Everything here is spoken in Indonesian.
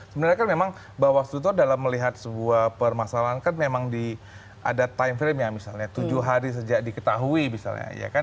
sebenarnya kan memang bawaslu itu dalam melihat sebuah permasalahan kan memang ada time frame nya misalnya tujuh hari sejak diketahui misalnya